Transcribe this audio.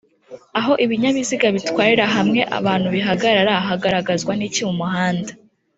aho Ibinyabiziga bitwarira hamwe abantu bihagarara hagaragazwa niki mumuhanda?